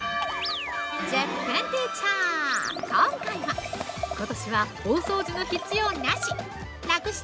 今回はことしは大掃除の必要なし！